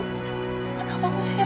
semuanya udah selesai